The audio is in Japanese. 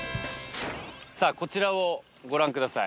さぁこちらをご覧ください。